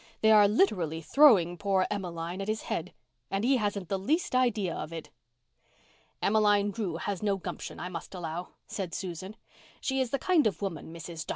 They are literally throwing poor Emmeline at his head, and he hasn't the least idea of it." "Emmeline Drew has no gumption, I must allow," said Susan. "She is the kind of woman, Mrs. Dr.